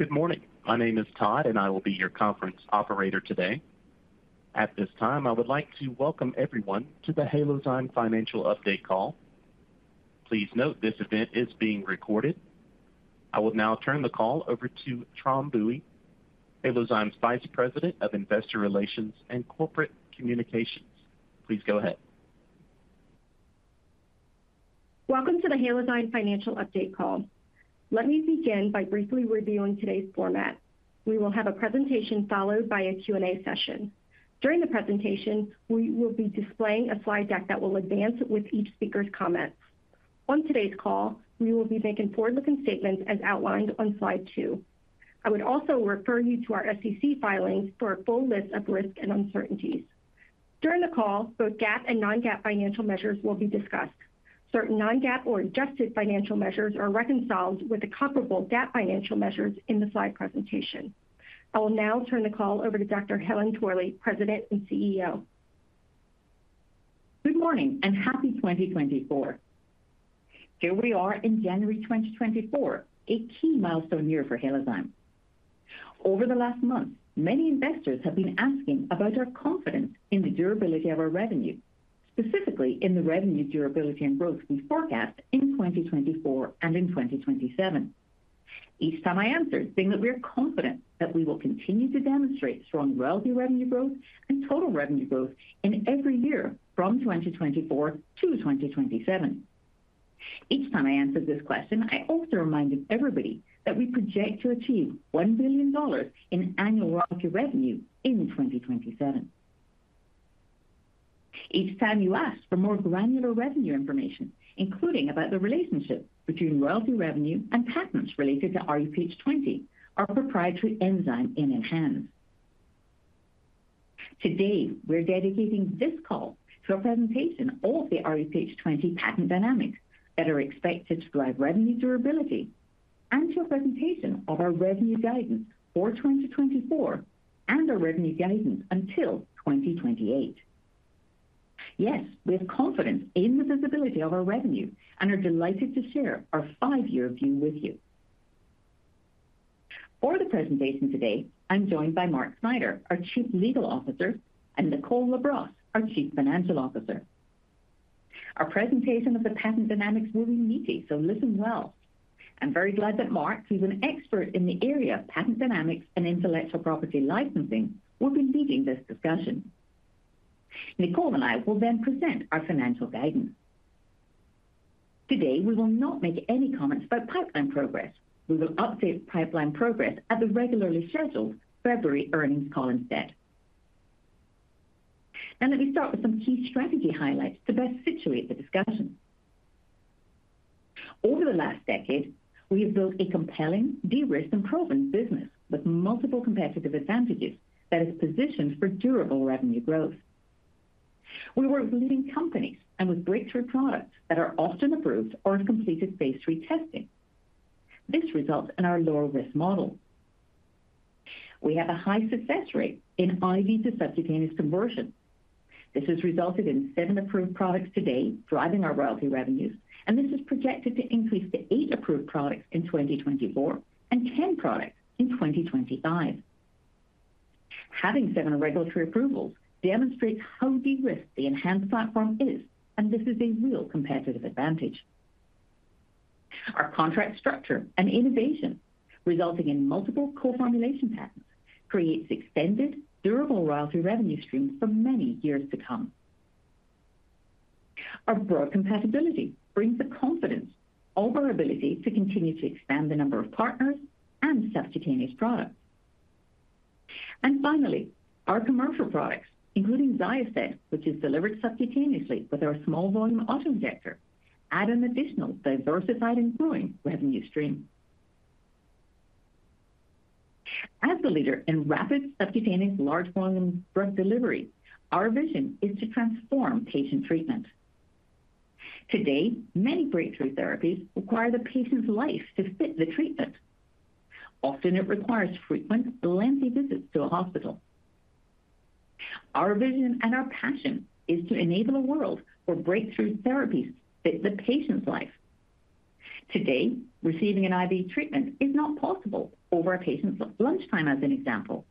Good morning. My name is Todd, and I will be your conference operator today. At this time, I would like to welcome everyone to the Halozyme Financial Update Call. Please note, this event is being recorded. I will now turn the call over to Tram Bui, Halozyme's Vice President of Investor Relations and Corporate Communications. Please go ahead. Welcome to the Halozyme Financial Update Call. Let me begin by briefly reviewing today's format. We will have a presentation followed by a Q&A session. During the presentation, we will be displaying a slide deck that will advance with each speaker's comments. On today's call, we will be making forward-looking statements as outlined on slide two. I would also refer you to our SEC filings for a full list of risks and uncertainties. During the call, both GAAP and non-GAAP financial measures will be discussed. Certain non-GAAP or adjusted financial measures are reconciled with the comparable GAAP financial measures in the slide presentation. I will now turn the call over to Dr. Helen Torley, President and CEO. Good morning, and happy 2024. Here we are in January 2024, a key milestone year for Halozyme. Over the last month, many investors have been asking about our confidence in the durability of our revenue, specifically in the revenue durability and growth we forecast in 2024 and in 2027. Each time I answered, saying that we are confident that we will continue to demonstrate strong royalty revenue growth and total revenue growth in every year from 2024 to 2027. Each time I answered this question, I also reminded everybody that we project to achieve $1 billion in annual royalty revenue in 2027. Each time you ask for more granular revenue information, including about the relationship between royalty revenue and patents related to rHuPH20, our proprietary enzyme in ENHANZE. Today, we're dedicating this call to a presentation of the rHuPH20 patent dynamics that are expected to drive revenue durability and to a presentation of our revenue guidance for 2024 and our revenue guidance until 2028. Yes, we have confidence in the visibility of our revenue and are delighted to share our five-year view with you. For the presentation today, I'm joined by Mark Snyder, our Chief Legal Officer, and Nicole LaBrosse, our Chief Financial Officer. Our presentation of the patent dynamics will be meaty, so listen well. I'm very glad that Mark, who's an expert in the area of patent dynamics and intellectual property licensing, will be leading this discussion. Nicole and I will then present our financial guidance. Today, we will not make any comments about pipeline progress. We will update pipeline progress at the regularly scheduled February earnings call instead. Now, let me start with some key strategy highlights to best situate the discussion. Over the last decade, we have built a compelling, de-risked, and proven business with multiple competitive advantages that is positioned for durable revenue growth. We work with leading companies and with breakthrough products that are often approved or have completed phase 3 testing. This results in our lower-risk model. We have a high success rate in IV to subcutaneous conversion. This has resulted in seven approved products to date, driving our royalty revenues, and this is projected to increase to eight approved products in 2024 and 10 products in 2025. Having 7 regulatory approvals demonstrates how de-risked the ENHANZE platform is, and this is a real competitive advantage. Our contract structure and innovation, resulting in multiple co-formulation patents, creates extended, durable royalty revenue streams for many years to come. Our broad compatibility brings the confidence of our ability to continue to expand the number of partners and subcutaneous products. Finally, our commercial products, including XYOSTED, which is delivered subcutaneously with our small volume auto-injector, add an additional diversified and growing revenue stream. As the leader in rapid subcutaneous large volume drug delivery, our vision is to transform patient treatment. Today, many breakthrough therapies require the patient's life to fit the treatment. Often it requires frequent and lengthy visits to a hospital. Our vision and our passion is to enable a world where breakthrough therapies fit the patient's life. Today, receiving an IV treatment is not possible over a patient's lunchtime, as an example.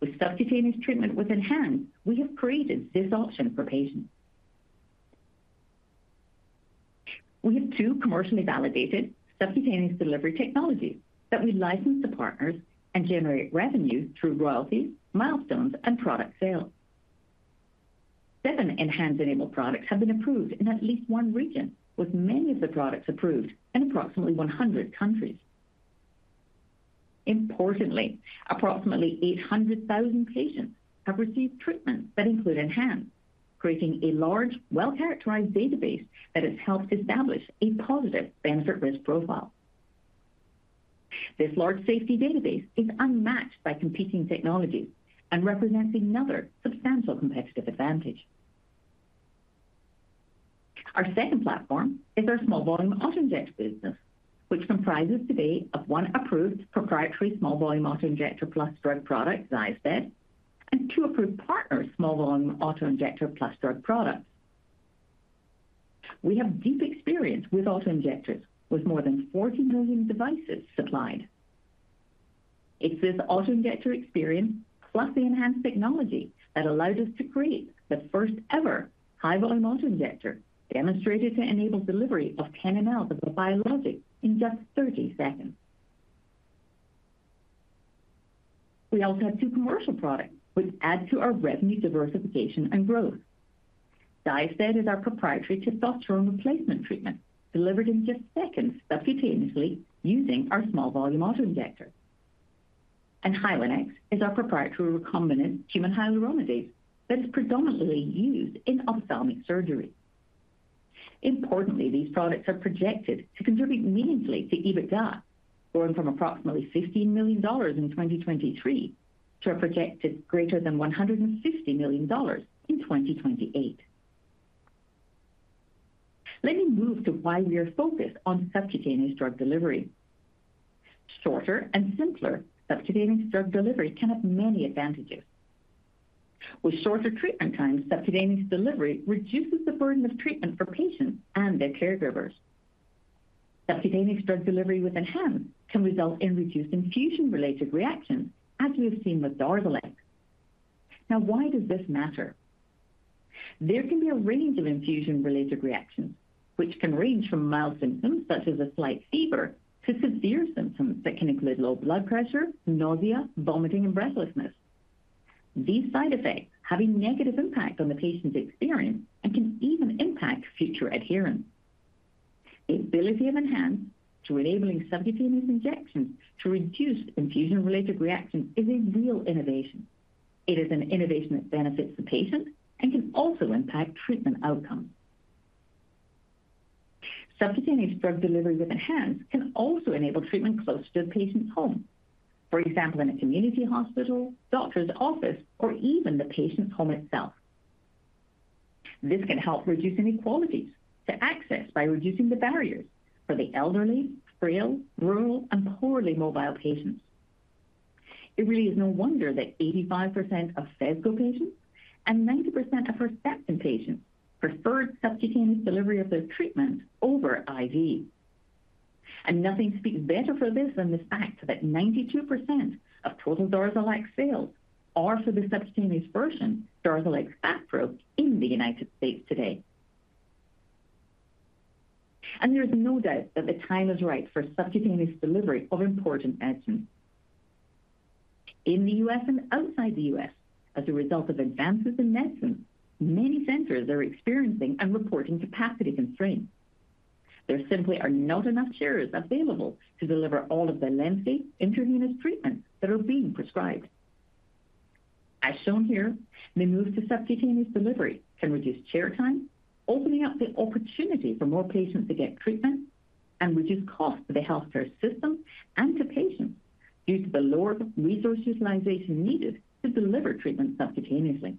With subcutaneous treatment with ENHANZE, we have created this option for patients. We have two commercially validated subcutaneous delivery technologies that we license to partners and generate revenue through royalties, milestones, and product sales. 7 ENHANZE-enabled products have been approved in at least one region, with many of the products approved in approximately 100 countries. Importantly, approximately 800,000 patients have received treatment that include ENHANZE, creating a large, well-characterized database that has helped establish a positive benefit-risk profile. This large safety database is unmatched by competing technologies and represents another substantial competitive advantage. Our second platform is our small volume auto-injector business, which comprises today of one approved proprietary small volume auto-injector plus drug product, XYOSTED, and two approved partners, small volume auto-injector plus drug products.... We have deep experience with auto-injectors, with more than 40 million devices supplied. It's this auto-injector experience, plus the ENHANZE technology, that allowed us to create the first ever high-volume auto-injector, demonstrated to enable delivery of 10 mL of a biologic in just 30 seconds. We also have two commercial products, which add to our revenue diversification and growth. XYOSTED is our proprietary testosterone replacement treatment, delivered in just seconds subcutaneously using our small volume auto-injector. And HYLENEX is our proprietary recombinant human hyaluronidase that is predominantly used in ophthalmic surgery. Importantly, these products are projected to contribute meaningfully to EBITDA, growing from approximately $15 million in 2023 to a projected greater than $150 million in 2028. Let me move to why we are focused on subcutaneous drug delivery. Shorter and simpler, subcutaneous drug delivery can have many advantages. With shorter treatment times, subcutaneous delivery reduces the burden of treatment for patients and their caregivers. Subcutaneous drug delivery with ENHANZE can result in reduced infusion-related reactions, as we have seen with DARZALEX. Now, why does this matter? There can be a range of infusion-related reactions, which can range from mild symptoms, such as a slight fever, to severe symptoms that can include low blood pressure, nausea, vomiting, and breathlessness. These side effects have a negative impact on the patient's experience and can even impact future adherence. The ability of ENHANZE to enabling subcutaneous injections to reduce infusion-related reactions is a real innovation. It is an innovation that benefits the patient and can also impact treatment outcomes. Subcutaneous drug delivery with ENHANZE can also enable treatment closer to the patient's home. For example, in a community hospital, doctor's office, or even the patient's home itself. This can help reduce inequalities to access by reducing the barriers for the elderly, frail, rural, and poorly mobile patients. It really is no wonder that 85% of PHESGO patients and 90% of Herceptin patients preferred subcutaneous delivery of their treatment over IV. Nothing speaks better for this than the fact that 92% of total DARZALEX sales are for the subcutaneous version, DARZALEX FASPRO, in the United States today. There's no doubt that the time is right for subcutaneous delivery of important medicines. In the U.S. and outside the U.S., as a result of advances in medicine, many centers are experiencing and reporting capacity constraints. There simply are not enough chairs available to deliver all of the lengthy intravenous treatments that are being prescribed. As shown here, the move to subcutaneous delivery can reduce chair time, opening up the opportunity for more patients to get treatment and reduce costs to the healthcare system and to patients, due to the lower resource utilization needed to deliver treatment subcutaneously.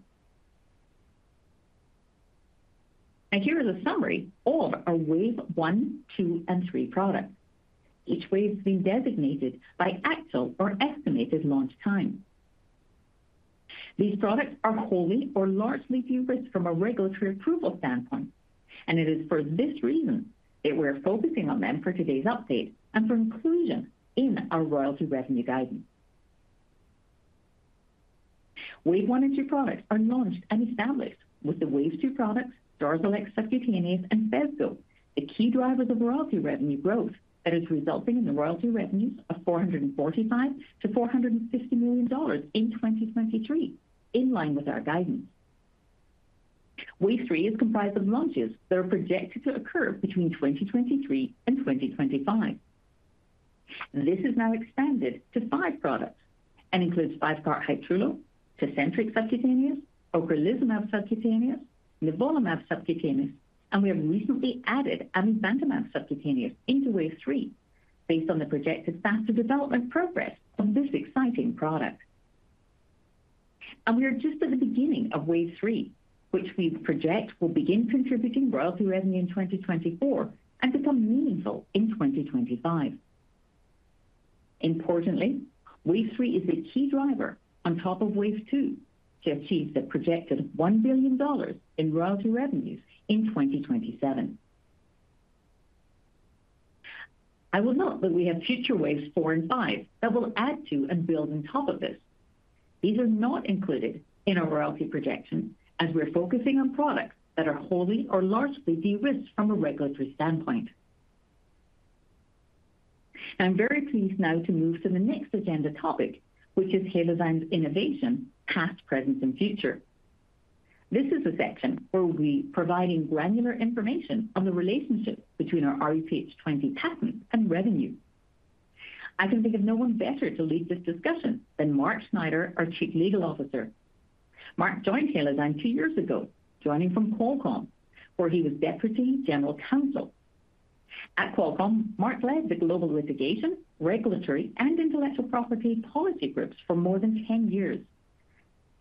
Here is a summary of our Wave one, two, and three products. Each wave has been designated by actual or estimated launch time. These products are wholly or largely de-risked from a regulatory approval standpoint, and it is for this reason that we're focusing on them for today's update and for inclusion in our royalty revenue guidance. Wave one and two products are launched and established, with the Wave two products, Darzalex Subcutaneous and PHESGO, the key drivers of royalty revenue growth that is resulting in the royalty revenues of $445 million-$450 million in 2023, in line with our guidance. Wave three is comprised of launches that are projected to occur between 2023 and 2025. This is now expanded to five products and includes VYVGART HYTRULO, Tecentriq Subcutaneous, Ocrelizumab Subcutaneous, Nivolumab Subcutaneous, and we have recently added Amivantamab Subcutaneous into Wave three, based on the projected faster development progress on this exciting product. We are just at the beginning of Wave three, which we project will begin contributing royalty revenue in 2024 and become meaningful in 2025. Importantly, Wave 3 is the key driver on top of Wave 2, to achieve the projected $1 billion in royalty revenues in 2027. I will note that we have future waves 4 and 5 that will add to and build on top of this. These are not included in our royalty projection, as we're focusing on products that are wholly or largely de-risked from a regulatory standpoint. I'm very pleased now to move to the next agenda topic, which is Halozyme's innovation, past, present, and future. This is a section where we'll be providing granular information on the relationship between our rHuPH20 patent and revenue. I can think of no one better to lead this discussion than Mark Snyder, our Chief Legal Officer. Mark joined Halozyme two years ago, joining from Qualcomm, where he was Deputy General Counsel. At Qualcomm, Mark led the global litigation, regulatory, and intellectual property policy groups for more than 10 years.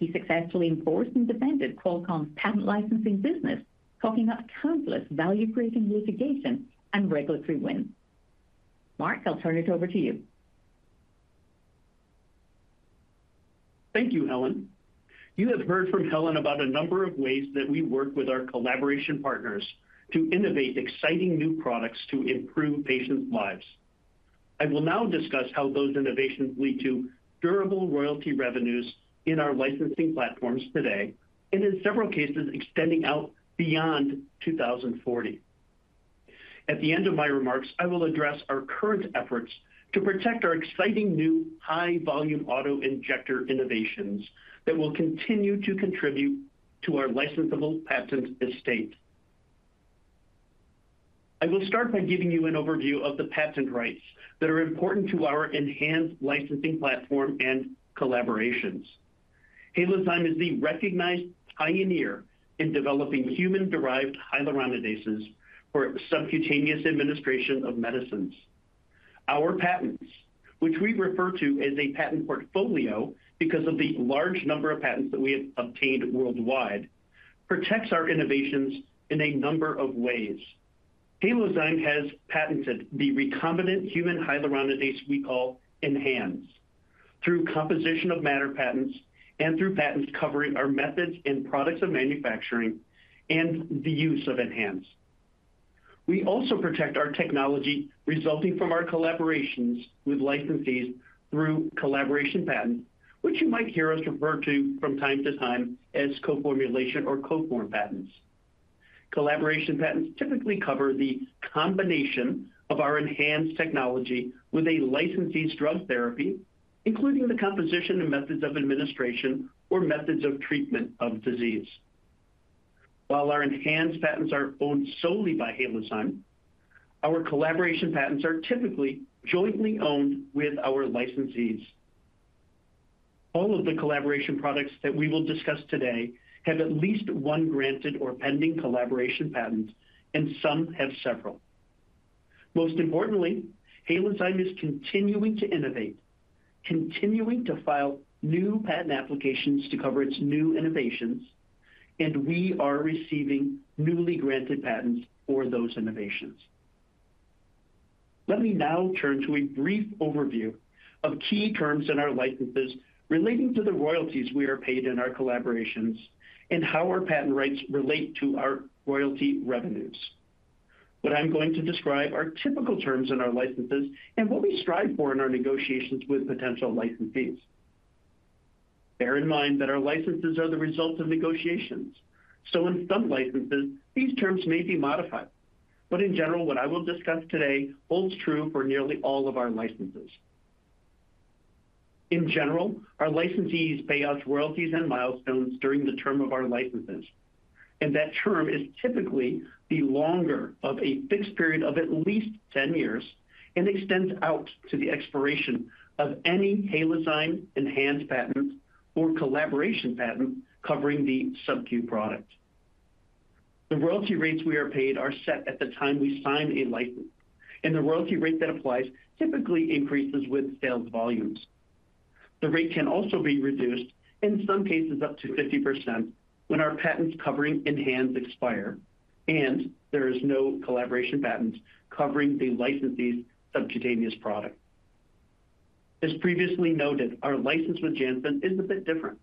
He successfully enforced and defended Qualcomm's patent licensing business, talking up countless value-creating litigation and regulatory wins. Mark, I'll turn it over to you.... Thank you, Helen. You have heard from Helen about a number of ways that we work with our collaboration partners to innovate exciting new products to improve patients' lives. I will now discuss how those innovations lead to durable royalty revenues in our licensing platforms today, and in several cases, extending out beyond 2040. At the end of my remarks, I will address our current efforts to protect our exciting new high-volume auto-injector innovations that will continue to contribute to our licensable patent estate. I will start by giving you an overview of the patent rights that are important to our ENHANZE licensing platform and collaborations. Halozyme is the recognized pioneer in developing human-derived hyaluronidases for subcutaneous administration of medicines. Our patents, which we refer to as a patent portfolio because of the large number of patents that we have obtained worldwide, protects our innovations in a number of ways. Halozyme has patented the recombinant human hyaluronidase we call ENHANZE, through composition of matter patents and through patents covering our methods and products of manufacturing and the use of ENHANZE. We also protect our technology resulting from our collaborations with licensees through collaboration patents, which you might hear us refer to from time to time as co-formulation or co-form patents. Collaboration patents typically cover the combination of our ENHANZE technology with a licensee's drug therapy, including the composition and methods of administration or methods of treatment of disease. While our ENHANZE patents are owned solely by Halozyme, our collaboration patents are typically jointly owned with our licensees. All of the collaboration products that we will discuss today have at least one granted or pending collaboration patent, and some have several. Most importantly, Halozyme is continuing to innovate, continuing to file new patent applications to cover its new innovations, and we are receiving newly granted patents for those innovations. Let me now turn to a brief overview of key terms in our licenses relating to the royalties we are paid in our collaborations and how our patent rights relate to our royalty revenues. What I'm going to describe are typical terms in our licenses and what we strive for in our negotiations with potential licensees. Bear in mind that our licenses are the result of negotiations, so in some licenses, these terms may be modified. In general, what I will discuss today holds true for nearly all of our licenses. In general, our licensees pay us royalties and milestones during the term of our licenses, and that term is typically the longer of a fixed period of at least 10 years and extends out to the expiration of any Halozyme-ENHANZE patent or collaboration patent covering the subcu product. The royalty rates we are paid are set at the time we sign a license, and the royalty rate that applies typically increases with sales volumes. The rate can also be reduced, in some cases up to 50%, when our patents covering ENHANZE expire, and there is no collaboration patents covering the licensee's subcutaneous product. As previously noted, our license with Janssen is a bit different,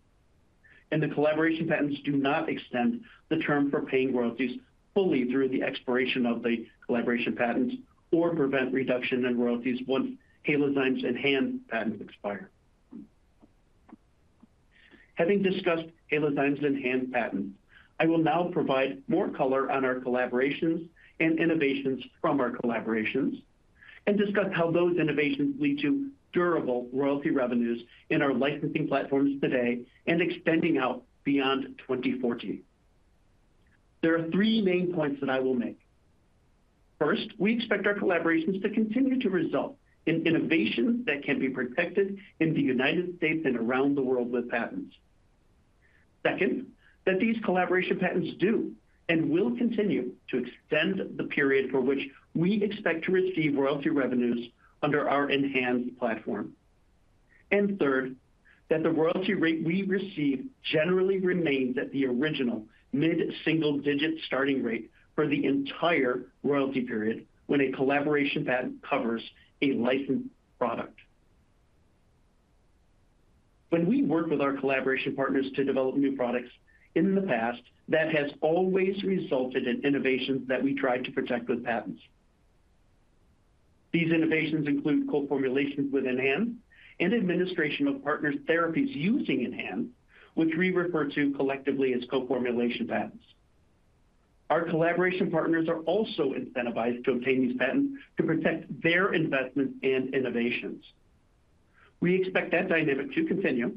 and the collaboration patents do not extend the term for paying royalties fully through the expiration of the collaboration patents or prevent reduction in royalties once Halozyme's ENHANZE patents expire. Having discussed Halozyme's ENHANZE patents, I will now provide more color on our collaborations and innovations from our collaborations and discuss how those innovations lead to durable royalty revenues in our licensing platforms today and extending out beyond 2040. There are three main points that I will make. First, we expect our collaborations to continue to result in innovations that can be protected in the United States and around the world with patents. Second, that these collaboration patents do and will continue to extend the period for which we expect to receive royalty revenues under our ENHANZE platform. And third, that the royalty rate we receive generally remains at the original mid-single-digit starting rate for the entire royalty period when a collaboration patent covers a licensed product. When we work with our collaboration partners to develop new products in the past, that has always resulted in innovations that we tried to protect with patents. These innovations include co-formulations with ENHANZE and administration of partner's therapies using ENHANZE, which we refer to collectively as co-formulation patents. Our collaboration partners are also incentivized to obtain these patents to protect their investments and innovations. We expect that dynamic to continue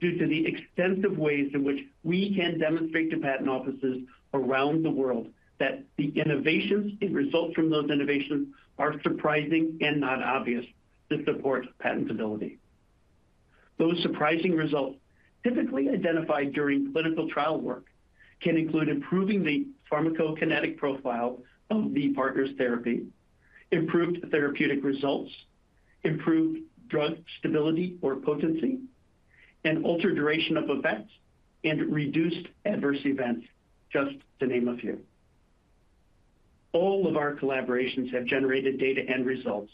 due to the extensive ways in which we can demonstrate to patent offices around the world that the innovations and results from those innovations are surprising and not obvious to support patentability. Those surprising results, typically identified during clinical trial work, can include improving the pharmacokinetic profile of the partner's therapy, improved therapeutic results, improved drug stability or potency, and altered duration of events, and reduced adverse events, just to name a few.... All of our collaborations have generated data and results,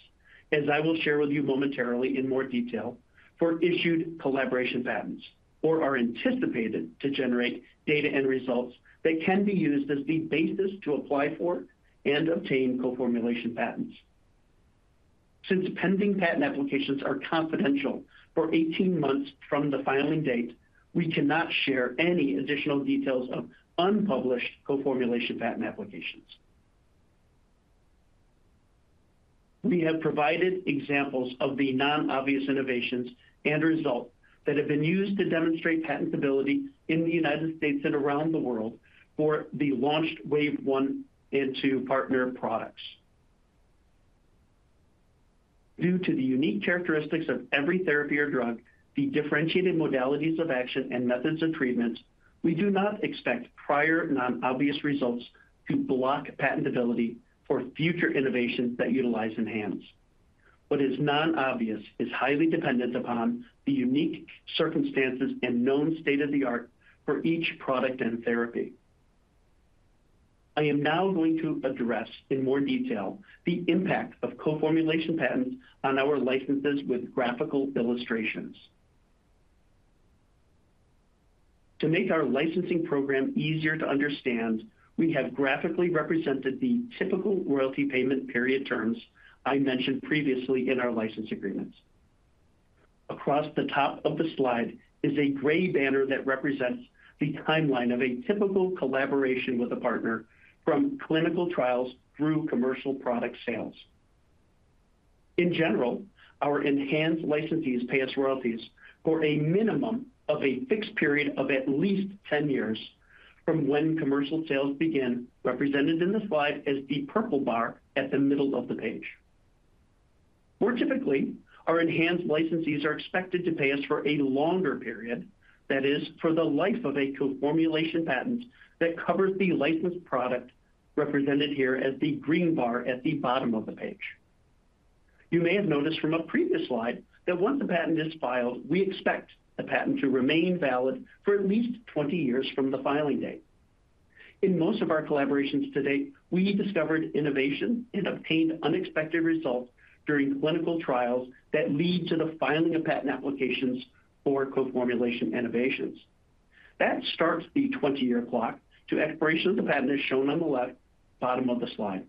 as I will share with you momentarily in more detail, for issued collaboration patents, or are anticipated to generate data and results that can be used as the basis to apply for and obtain co-formulation patents. Since pending patent applications are confidential for 18 months from the filing date, we cannot share any additional details of unpublished co-formulation patent applications. We have provided examples of the non-obvious innovations and results that have been used to demonstrate patentability in the United States and around the world for the launched Wave One and Two partner products. Due to the unique characteristics of every therapy or drug, the differentiated modalities of action, and methods of treatment, we do not expect prior non-obvious results to block patentability for future innovations that utilize ENHANZE. What is non-obvious is highly dependent upon the unique circumstances and known state-of-the-art for each product and therapy. I am now going to address in more detail the impact of co-formulation patents on our licenses with graphical illustrations. To make our licensing program easier to understand, we have graphically represented the typical royalty payment period terms I mentioned previously in our license agreements. Across the top of the slide is a gray banner that represents the timeline of a typical collaboration with a partner from clinical trials through commercial product sales. In general, our ENHANZE licensees pay us royalties for a minimum of a fixed period of at least 10 years from when commercial sales begin, represented in the slide as the purple bar at the middle of the page. More typically, our ENHANZE licensees are expected to pay us for a longer period, that is, for the life of a co-formulation patent that covers the licensed product, represented here as the green bar at the bottom of the page. You may have noticed from a previous slide that once a patent is filed, we expect the patent to remain valid for at least 20 years from the filing date. In most of our collaborations to date, we discovered innovation and obtained unexpected results during clinical trials that lead to the filing of patent applications for co-formulation innovations. That starts the 20-year clock to expiration of the patent, as shown on the left bottom of the slide.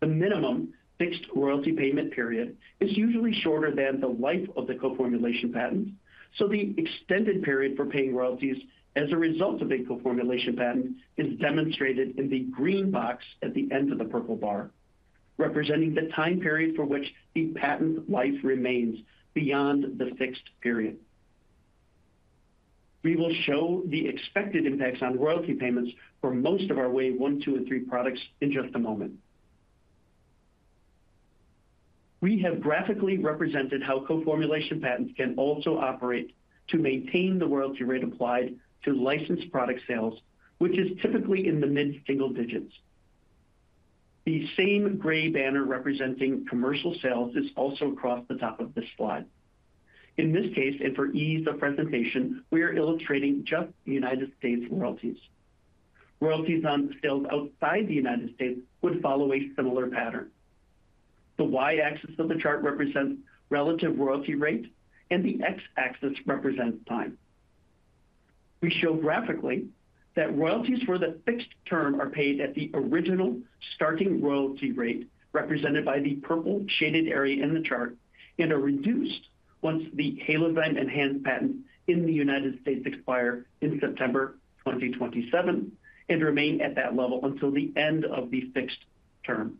The minimum fixed royalty payment period is usually shorter than the life of the co-formulation patent, so the extended period for paying royalties as a result of a co-formulation patent is demonstrated in the green box at the end of the purple bar, representing the time period for which the patent life remains beyond the fixed period. We will show the expected impacts on royalty payments for most of our Wave One, Two, and Three products in just a moment. We have graphically represented how co-formulation patents can also operate to maintain the royalty rate applied to licensed product sales, which is typically in the mid-single digits. The same gray banner representing commercial sales is also across the top of this slide. In this case, and for ease of presentation, we are illustrating just the United States royalties. Royalties on sales outside the United States would follow a similar pattern. The Y-axis of the chart represents relative royalty rate, and the X-axis represents time. We show graphically that royalties for the fixed term are paid at the original starting royalty rate, represented by the purple shaded area in the chart, and are reduced once the Halozyme ENHANZE patent in the United States expire in September 2027 and remain at that level until the end of the fixed term.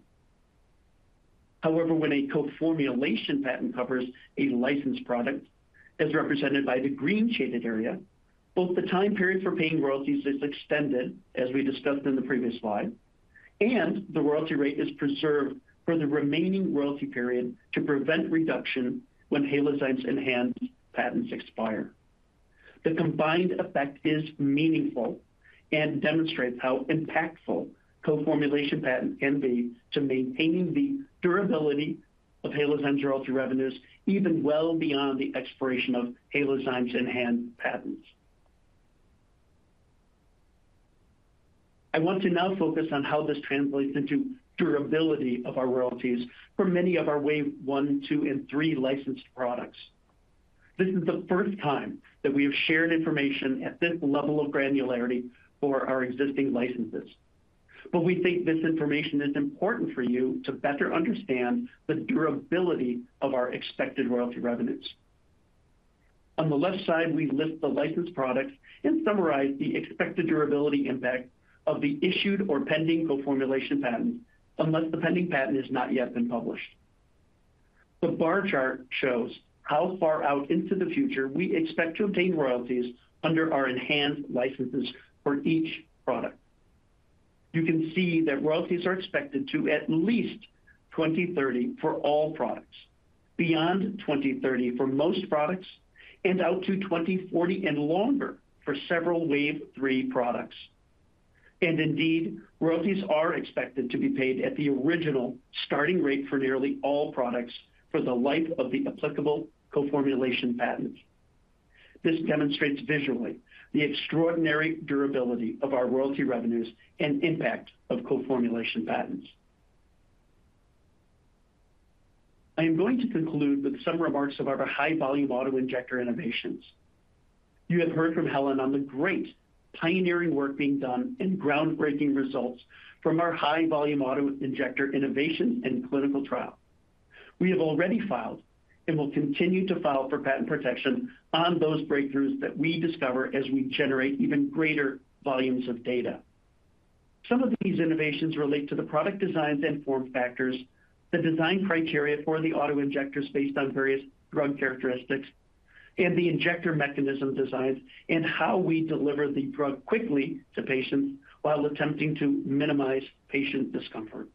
However, when a co-formulation patent covers a licensed product, as represented by the green shaded area, both the time period for paying royalties is extended, as we discussed in the previous slide, and the royalty rate is preserved for the remaining royalty period to prevent reduction when Halozyme's ENHANZE patents expire. The combined effect is meaningful and demonstrates how impactful co-formulation patents can be to maintaining the durability of Halozyme's royalty revenues, even well beyond the expiration of Halozyme's ENHANZE patents. I want to now focus on how this translates into durability of our royalties for many of our Wave One, Two, and Three licensed products. This is the first time that we have shared information at this level of granularity for our existing licenses, but we think this information is important for you to better understand the durability of our expected royalty revenues. On the left side, we list the licensed products and summarize the expected durability impact of the issued or pending co-formulation patent, unless the pending patent has not yet been published. The bar chart shows how far out into the future we expect to obtain royalties under our ENHANZE licenses for each product. You can see that royalties are expected to at least 2030 for all products, beyond 2030 for most products, and out to 2040 and longer for several Wave Three products. Indeed, royalties are expected to be paid at the original starting rate for nearly all products for the life of the applicable co-formulation patent. This demonstrates visually the extraordinary durability of our royalty revenues and impact of co-formulation patents. I am going to conclude with some remarks about our high-volume auto-injector innovations. You have heard from Helen on the great pioneering work being done and groundbreaking results from our high-volume auto-injector innovation and clinical trial. We have already filed, and will continue to file for patent protection on those breakthroughs that we discover as we generate even greater volumes of data. Some of these innovations relate to the product designs and form factors, the design criteria for the auto-injectors based on various drug characteristics, and the injector mechanism designs, and how we deliver the drug quickly to patients while attempting to minimize patient discomfort.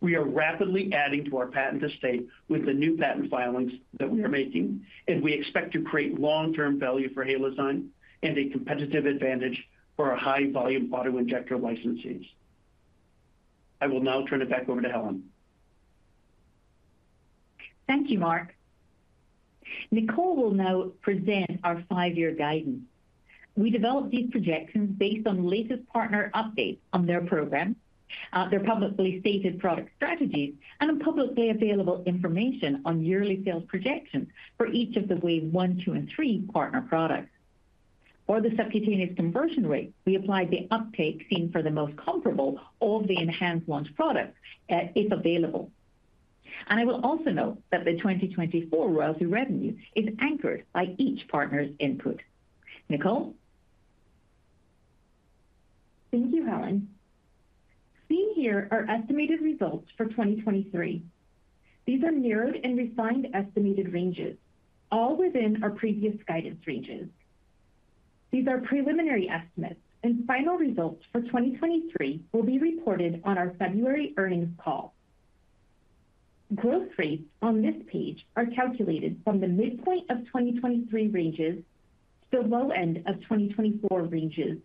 We are rapidly adding to our patent estate with the new patent filings that we are making, and we expect to create long-term value for Halozyme and a competitive advantage for our high-volume auto-injector licensees. I will now turn it back over to Helen. Thank you, Mark. Nicole will now present our five-year guidance. We developed these projections based on the latest partner updates on their program, their publicly stated product strategies, and on publicly available information on yearly sales projections for each of the Wave one, two, and three partner products. For the subcutaneous conversion rate, we applied the uptake seen for the most comparable of the ENHANZE launch products, if available. And I will also note that the 2024 royalty revenue is anchored by each partner's input. Nicole? Thank you, Helen. Seen here are estimated results for 2023. These are narrowed and refined estimated ranges, all within our previous guidance ranges. These are preliminary estimates, and final results for 2023 will be reported on our February earnings call. Growth rates on this page are calculated from the midpoint of 2023 ranges to the low end of 2024 ranges,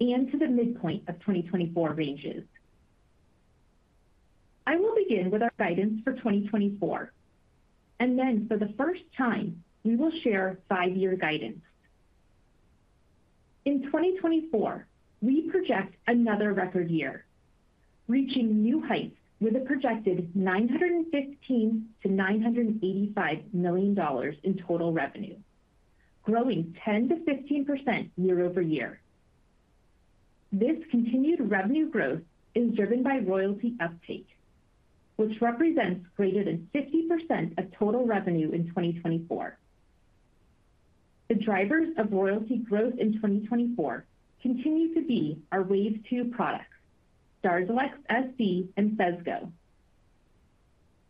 and to the midpoint of 2024 ranges. I will begin with our guidance for 2024, and then for the first time, we will share five-year guidance. In 2024, we project another record year, reaching new heights with a projected $915 million-$985 million in total revenue, growing 10%-15% year-over-year. This continued revenue growth is driven by royalty uptake, which represents greater than 50% of total revenue in 2024. The drivers of royalty growth in 2024 continue to be our Wave two products, DARZALEX SC and PHESGO.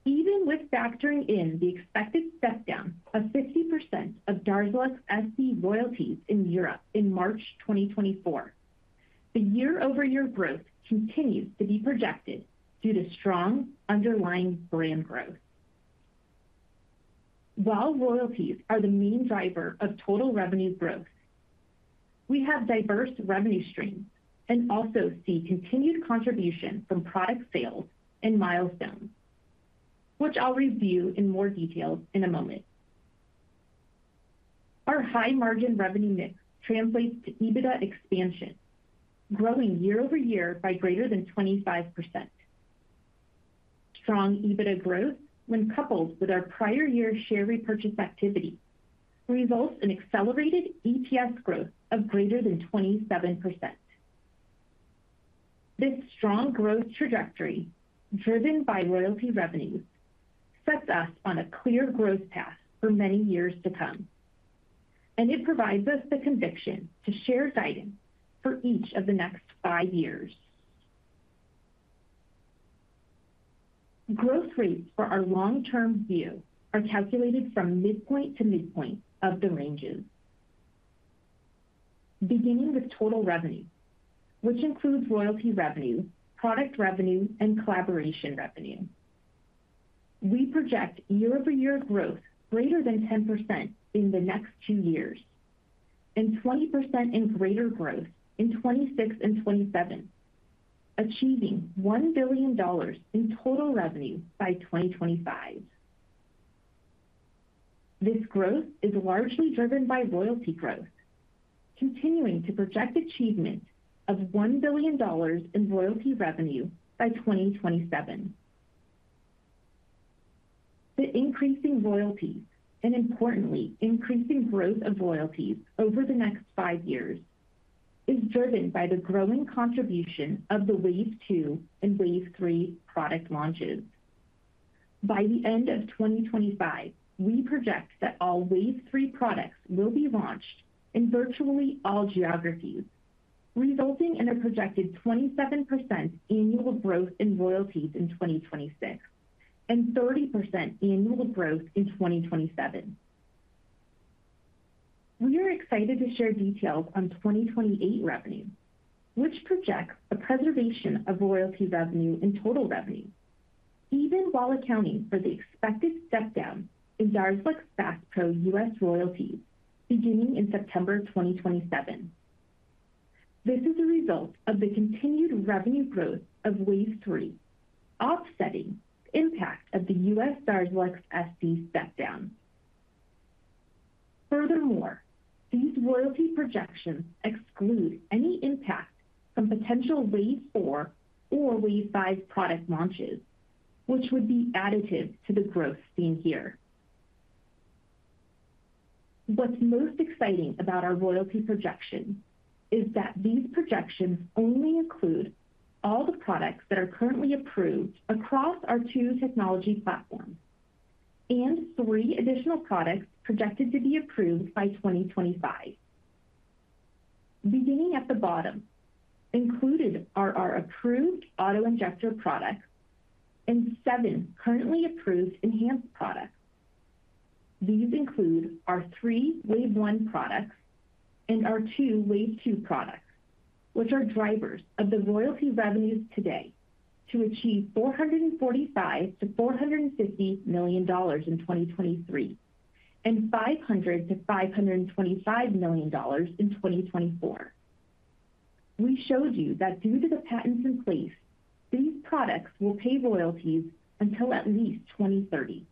Even with factoring in the expected step down of 50% of DARZALEX SC royalties in Europe in March 2024, the year-over-year growth continues to be projected due to strong underlying brand growth. While royalties are the main driver of total revenue growth, we have diverse revenue streams and also see continued contribution from product sales and milestones, which I'll review in more detail in a moment. Our high-margin revenue mix translates to EBITDA expansion, growing year over year by greater than 25%. Strong EBITDA growth, when coupled with our prior year's share repurchase activity, results in accelerated EPS growth of greater than 27%. This strong growth trajectory, driven by royalty revenue, sets us on a clear growth path for many years to come, and it provides us the conviction to share guidance for each of the next five years. Growth rates for our long-term view are calculated from midpoint to midpoint of the ranges. Beginning with total revenue, which includes royalty revenue, product revenue, and collaboration revenue. We project year-over-year growth greater than 10% in the next two years, and 20% in greater growth in 2026 and 2027, achieving $1 billion in total revenue by 2025. This growth is largely driven by royalty growth, continuing to project achievement of $1 billion in royalty revenue by 2027. The increasing royalties, and importantly, increasing growth of royalties over the next five years, is driven by the growing contribution of the Wave 2 and Wave 3 product launches. By the end of 2025, we project that all Wave 3 products will be launched in virtually all geographies, resulting in a projected 27% annual growth in royalties in 2026, and 30% annual growth in 2027. We are excited to share details on 2028 revenue, which projects a preservation of royalty revenue and total revenue, even while accounting for the expected step down in DARZALEX FASPRO U.S. royalties beginning in September 2027. This is a result of the continued revenue growth of Wave 3, offsetting impact of the U.S. DARZALEX SC step-down. Furthermore, these royalty projections exclude any impact from potential Wave four or Wave five product launches, which would be additive to the growth seen here. What's most exciting about our royalty projection is that these projections only include all the products that are currently approved across our two technology platforms, and three additional products projected to be approved by 2025. Beginning at the bottom, included are our approved auto-injector products and seven currently approved ENHANZE products. These include our three Wave one products and our two Wave two products, which are drivers of the royalty revenues today to achieve $445 million-$450 million in 2023, and $500 million-$525 million in 2024. We showed you that due to the patents in place, these products will pay royalties until at least 2030.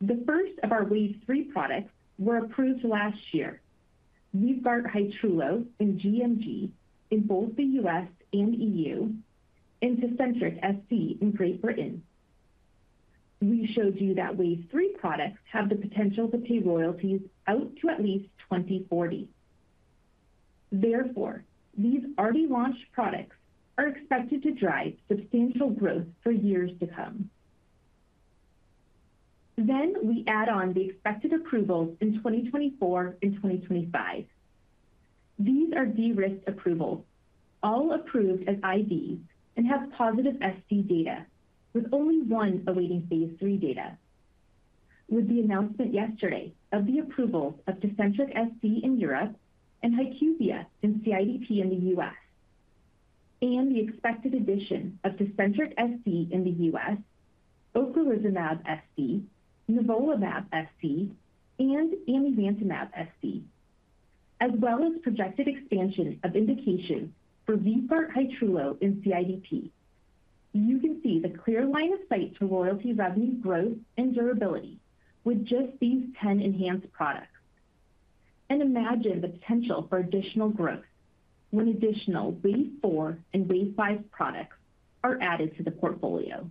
The first of our Wave three products were approved last year. VYVGART HYTRULO in gMG in both the U.S. and EU, and TECENTRIQ SC in Great Britain. We showed you that Wave three products have the potential to pay royalties out to at least 2040. Therefore, these already launched products are expected to drive substantial growth for years to come. Then we add on the expected approvals in 2024 and 2025. These are de-risked approvals, all approved as IDs and have positive SD data, with only one awaiting phase III data. With the announcement yesterday of the approval of TECENTRIQ SC in Europe and HYQVIA in CIDP in the US, and the expected addition of TECENTRIQ SC in the US, Ocrelizumab SC, Nivolumab SC, and Amivantamab SC, as well as projected expansion of indication for VYVGART HYTRULO in CIDP. You can see the clear line of sight to royalty revenue growth and durability with just these 10 ENHANZE products. Imagine the potential for additional growth when additional Wave four and Wave five products are added to the portfolio.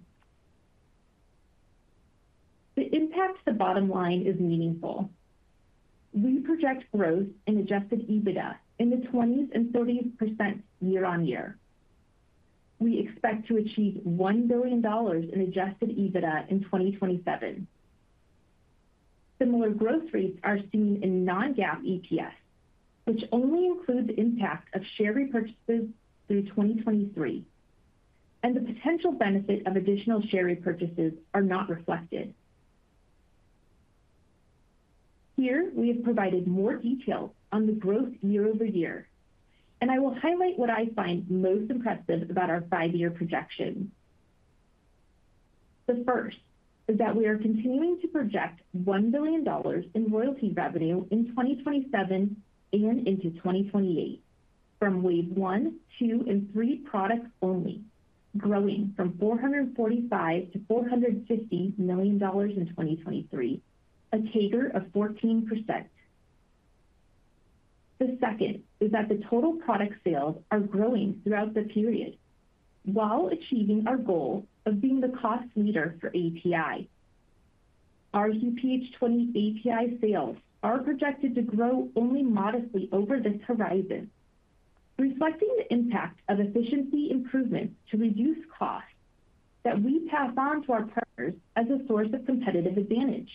The impact to the bottom line is meaningful. We project growth in adjusted EBITDA in the 20s-30s% year-over-year. We expect to achieve $1 billion in adjusted EBITDA in 2027. Similar growth rates are seen in non-GAAP EPS, which only includes the impact of share repurchases through 2023, and the potential benefit of additional share repurchases are not reflected. Here, we have provided more detail on the growth year-over-year, and I will highlight what I find most impressive about our five-year projection. The first is that we are continuing to project $1 billion in royalty revenue in 2027 and into 2028 from Wave one, two, and three products only, growing from $445 million-$450 million in 2023, a CAGR of 14%. The second is that the total product sales are growing throughout the period while achieving our goal of being the cost leader for API. Our rHuPH20 API sales are projected to grow only modestly over this horizon, reflecting the impact of efficiency improvements to reduce costs that we pass on to our partners as a source of competitive advantage.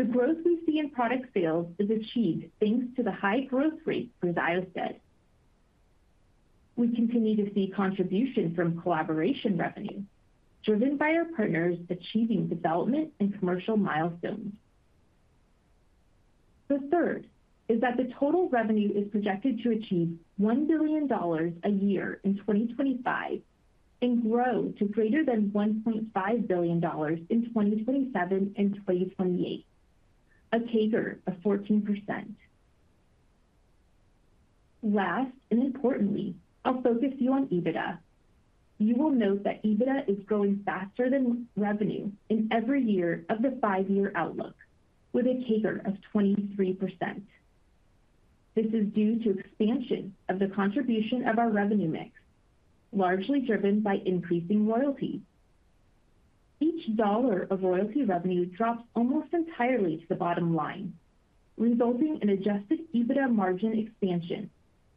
The growth we see in product sales is achieved thanks to the high growth rate from XYOSTED. We continue to see contribution from collaboration revenue, driven by our partners achieving development and commercial milestones. The third is that the total revenue is projected to achieve $1 billion a year in 2025 and grow to greater than $1.5 billion in 2027 and 2028, a CAGR of 14%. Last, and importantly, I'll focus you on EBITDA. You will note that EBITDA is growing faster than revenue in every year of the five-year outlook with a CAGR of 23%. This is due to expansion of the contribution of our revenue mix, largely driven by increasing royalties. Each dollar of royalty revenue drops almost entirely to the bottom line, resulting in adjusted EBITDA margin expansion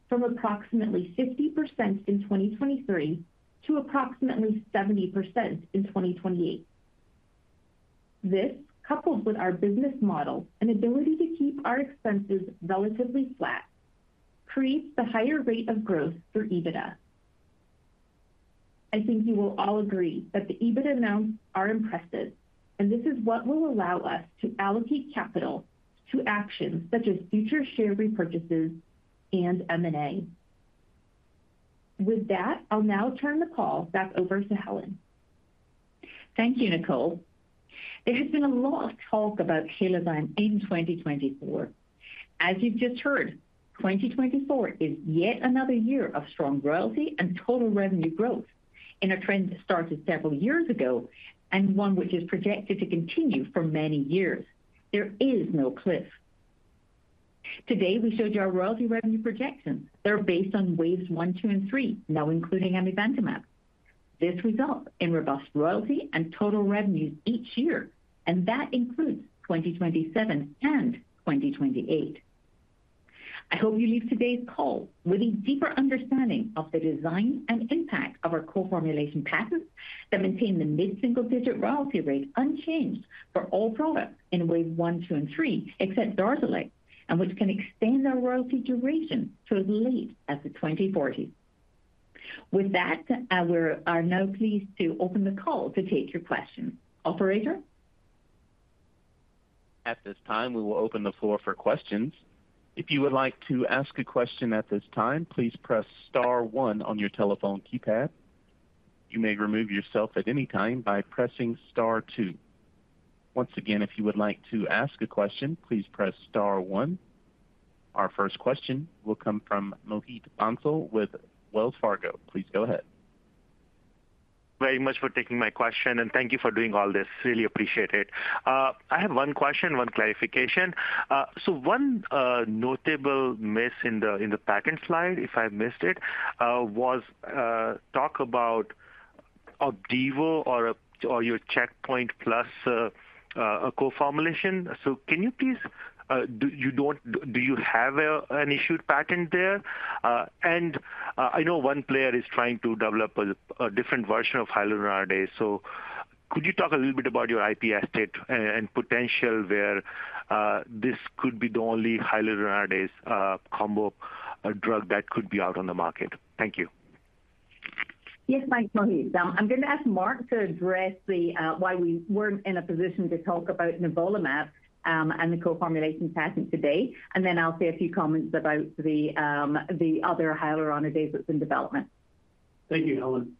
from approximately 50% in 2023 to approximately 70% in 2028. This, coupled with our business model and ability to keep our expenses relatively flat, creates the higher rate of growth for EBITDA. I think you will all agree that the EBITDA amounts are impressive, and this is what will allow us to allocate capital to actions such as future share repurchases and M&A.... With that, I'll now turn the call back over to Helen. Thank you, Nicole. There has been a lot of talk about the cliff in 2024. As you've just heard, 2024 is yet another year of strong royalty and total revenue growth in a trend that started several years ago and one which is projected to continue for many years. There is no cliff. Today, we showed you our royalty revenue projections. They're based on waves one, two, and three, now including Amivantamab. This results in robust royalty and total revenues each year, and that includes 2027 and 2028. I hope you leave today's call with a deeper understanding of the design and impact of our co-formulation patents that maintain the mid-single-digit royalty rate unchanged for all products in wave one, two, and three, except DARZALEX, and which can extend our royalty duration to as late as the 2040. With that, we are now pleased to open the call to take your questions. Operator? At this time, we will open the floor for questions. If you would like to ask a question at this time, please press star one on your telephone keypad. You may remove yourself at any time by pressing star two. Once again, if you would like to ask a question, please press star one. Our first question will come from Mohit Bansal with Wells Fargo. Please go ahead. Very much for taking my question, and thank you for doing all this. Really appreciate it. I have one question, one clarification. So one notable miss in the patent slide, if I missed it, was talk about OPDIVO or your checkpoint plus co-formulation. So can you please, do you have an issued patent there? And I know one player is trying to develop a different version of hyaluronidase. So could you talk a little bit about your IP estate and potential where this could be the only hyaluronidase combo drug that could be out on the market? Thank you. Yes, thanks, Mohit. I'm going to ask Mark to address the why we weren't in a position to talk about Nivolumab and the co-formulation patent today, and then I'll say a few comments about the other hyaluronidases in development. Thank you, Helen.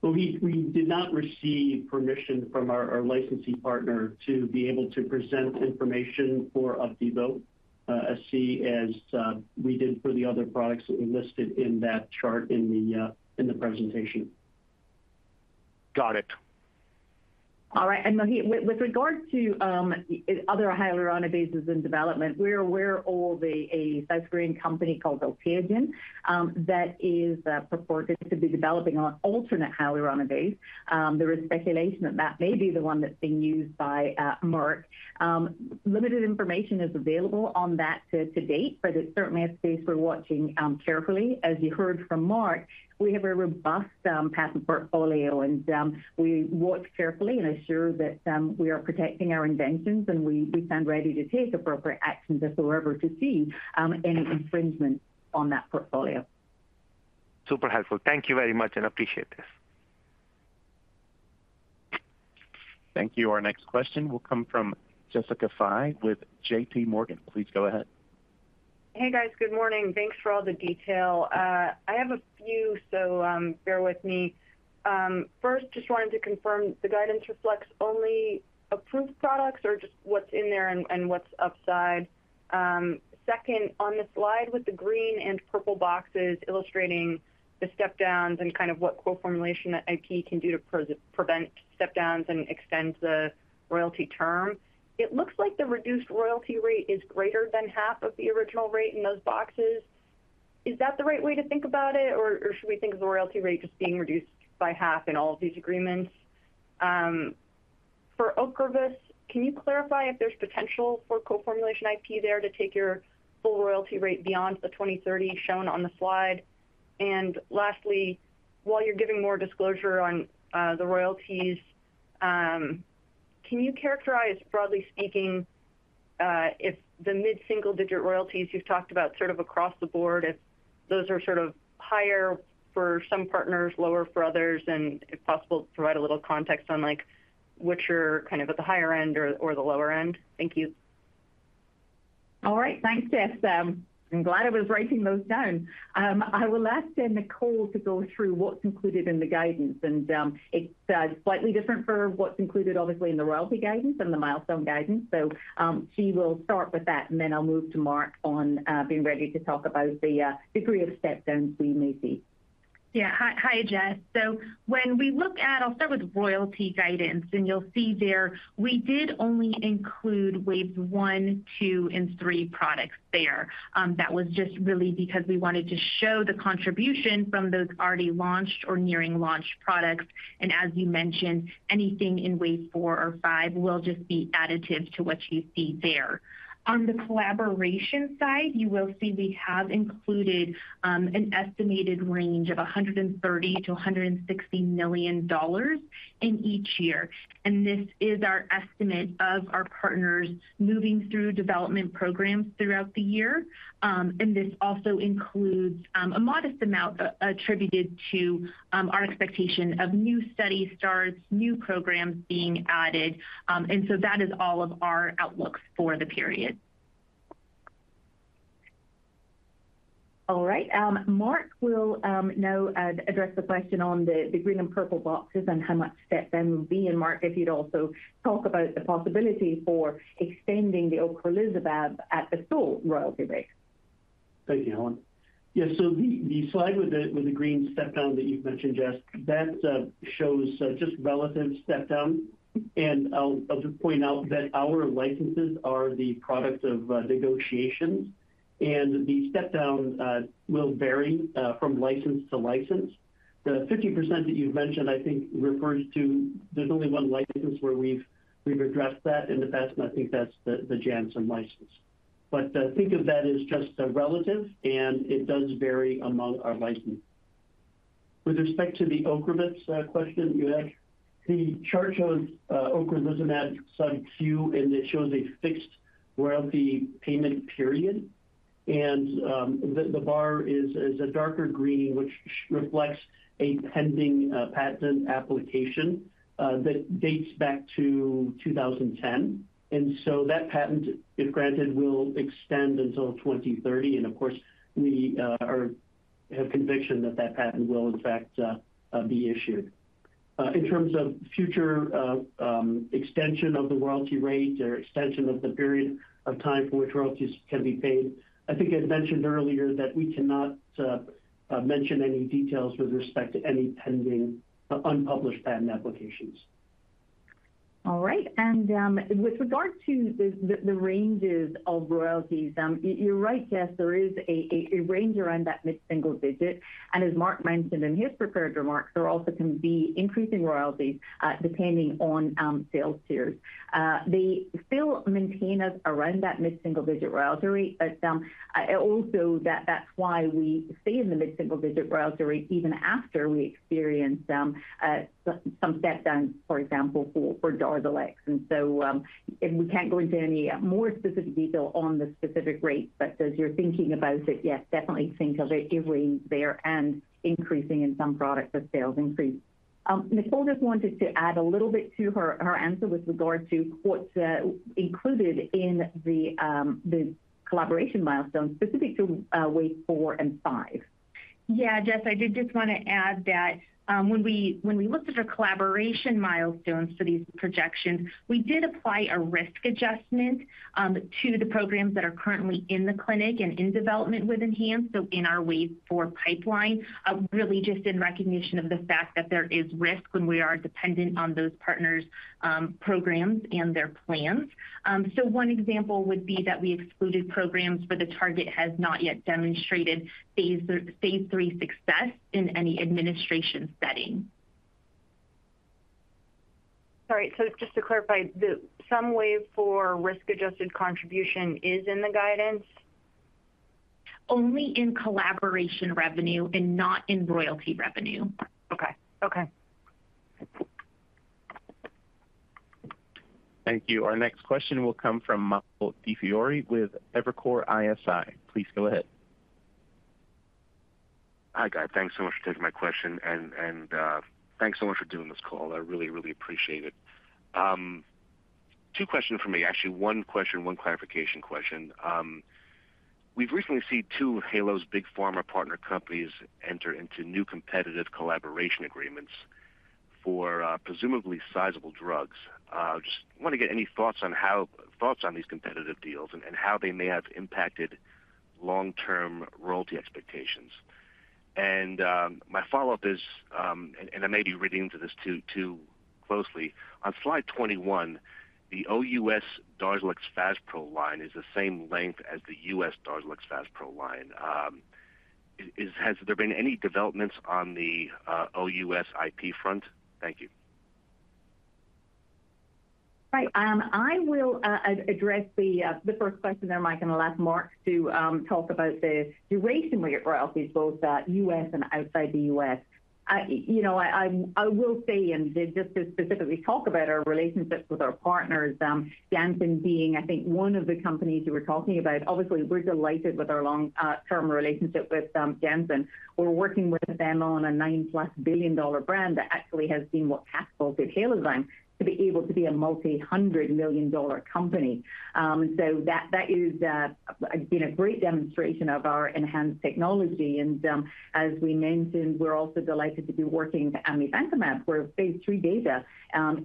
So we did not receive permission from our licensee partner to be able to present information for OPDIVO as we did for the other products that we listed in that chart in the presentation. Got it. All right, and Mohit, with regard to other hyaluronidases in development, we're aware of a South Korean company called Alteogen that is purported to be developing an alternate hyaluronidase. There is speculation that that may be the one that's being used by Merck. Limited information is available on that to date, but it's certainly a space we're watching carefully. As you heard from Mark, we have a robust patent portfolio, and we watch carefully and ensure that we are protecting our inventions, and we stand ready to take appropriate actions if we were to see any infringement on that portfolio. Super helpful. Thank you very much, and appreciate this. Thank you. Our next question will come from Jessica Fye with JPMorgan. Please go ahead. Hey, guys. Good morning. Thanks for all the detail. I have a few, so, bear with me. First, just wanted to confirm, the guidance reflects only approved products or just what's in there and, and what's upside? Second, on the slide with the green and purple boxes illustrating the step downs and kind of what co-formulation that IP can do to prevent step downs and extend the royalty term, it looks like the reduced royalty rate is greater than half of the original rate in those boxes. Is that the right way to think about it, or, or should we think of the royalty rate just being reduced by half in all of these agreements? For Ocrevus, can you clarify if there's potential for co-formulation IP there to take your full royalty rate beyond the 2030 shown on the slide? Lastly, while you're giving more disclosure on the royalties, can you characterize, broadly speaking, if the mid-single-digit royalties you've talked about sort of across the board, if those are sort of higher for some partners, lower for others, and if possible, provide a little context on, like, which are kind of at the higher end or the lower end? Thank you. All right. Thanks, Jess. I'm glad I was writing those down. I will ask then Nicole to go through what's included in the guidance, and, it's slightly different for what's included obviously in the royalty guidance and the milestone guidance. So, she will start with that, and then I'll move to Mark on, being ready to talk about the, degree of step downs we may see. Yeah. Hi, Jess. So when we look at... I'll start with royalty guidance, and you'll see there, we did only include waves 1, 2, and 3 products there. That was just really because we wanted to show the contribution from those already launched or nearing launched products, and as you mentioned, anything in wave four or five will just be additive to what you see there. On the collaboration side, you will see we have included an estimated range of $130 million-$160 million in each year, and this is our estimate of our partners moving through development programs throughout the year. And this also includes a modest amount attributed to our expectation of new study starts, new programs being added. And so that is all of our outlooks for the period.... All right, Mark will now address the question on the green and purple boxes and how much step-down will be. And Mark, if you'd also talk about the possibility for extending the Ocrelizumab at the sole royalty rate. Thank you, Helen. Yeah, so the slide with the green step-down that you've mentioned, Jess, that shows just relative step-down. And I'll just point out that our licenses are the product of negotiations, and the step-down will vary from license to license. The 50% that you've mentioned, I think, refers to there's only one license where we've addressed that, and that's, and I think that's the Janssen license. But think of that as just a relative, and it does vary among our licenses. With respect to the Ocrevus question you asked, the chart shows ocrelizumab SubQ, and it shows a fixed royalty payment period. And the bar is a darker green, which reflects a pending patent application that dates back to 2010. And so that patent, if granted, will extend until 2030, and of course, we have conviction that that patent will in fact be issued. In terms of future extension of the royalty rate or extension of the period of time for which royalties can be paid, I think I mentioned earlier that we cannot mention any details with respect to any pending unpublished patent applications. All right. With regard to the ranges of royalties, you're right, Jess, there is a range around that mid-single digit, and as Mark mentioned in his prepared remarks, there also can be increasing royalties, depending on sales tiers. They still maintain us around that mid-single digit royalty rate, but also that's why we stay in the mid-single digit royalty rate even after we experience some step-downs, for example, for DARZALEX. So, we can't go into any more specific detail on the specific rates, but as you're thinking about it, yes, definitely think of it sitting there and increasing in some products as sales increase. Nicole just wanted to add a little bit to her answer with regard to what's included in the collaboration milestone, specific to waves four and five. Yeah, Jess, I did just want to add that, when we, when we looked at our collaboration milestones for these projections, we did apply a risk adjustment, to the programs that are currently in the clinic and in development with ENHANZE, so in our wave four pipeline, really just in recognition of the fact that there is risk when we are dependent on those partners', programs and their plans. So one example would be that we excluded programs, where the target has not yet demonstrated phase 3 success in any administration setting. Sorry, so just to clarify, the some wave four risk-adjusted contribution is in the guidance? Only in collaboration revenue and not in royalty revenue. Okay. Okay. Thank you. Our next question will come from Mike DiFiore with Evercore ISI. Please go ahead. Hi, guys. Thanks so much for taking my question, and thanks so much for doing this call. I really, really appreciate it. Two questions for me, actually, one question, one clarification question. We've recently seen two Halo's big pharma partner companies enter into new competitive collaboration agreements for, presumably sizable drugs. Just want to get any thoughts on these competitive deals and how they may have impacted long-term royalty expectations. My follow-up is, and I may be reading into this too, too closely. On slide 21, the OUS DARZALEX FASPRO line is the same length as the US DARZALEX FASPRO line. Has there been any developments on the OUS IP front? Thank you. Right. I will address the first question there, Mike, and allow Mark to talk about the duration rate of royalties, both U.S. and outside the U.S. You know, I will say, and just to specifically talk about our relationships with our partners, Janssen being, I think, one of the companies you were talking about, obviously, we're delighted with our long-term relationship with Janssen. We're working with them on a $9+ billion brand that actually has been what passed us at Halozyme to be able to be a multi-hundred million dollar company. So that is again a great demonstration of our ENHANZE technology, and as we mentioned, we're also delighted to be working on Amivantamab, where phase three data